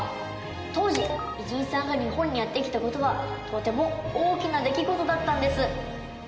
当時偉人さんが日本にやって来たことはとても大きな出来事だったんです。